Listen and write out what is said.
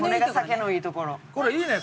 これいいね。